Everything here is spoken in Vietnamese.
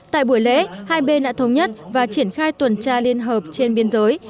tại buổi lễ hai bên đã thống nhất và triển khai tuần tra liên hợp trên biên giới